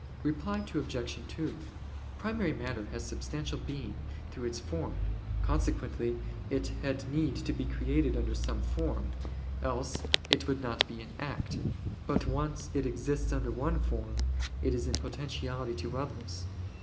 Reply Obj. 2: Primary matter has substantial being through its form, consequently it had need to be created under some form: else it would not be in act. But when once it exists under one form it is in potentiality to others.